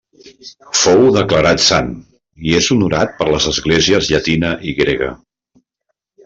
Fou declarat sant i és honorat per les esglésies llatina i grega.